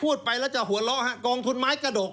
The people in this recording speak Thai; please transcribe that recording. พูดไปแล้วจะหัวเราะฮะกองทุนไม้กระดก